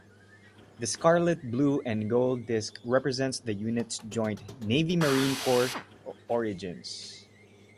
The scarlet, blue, and gold disk represents the unit's joint Navy-Marine Corps origins.